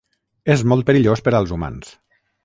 És molt perillós per als humans.